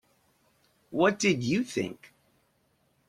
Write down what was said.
What did you think?